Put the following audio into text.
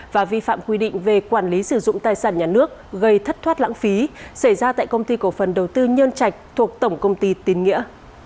và vi phạm quy định về quản lý sử dụng tài sản nhà nước gây thất thoát lãng phí xảy ra tại công ty cổ phần đầu tư nhân trạch thuộc tổng công ty tín nghĩa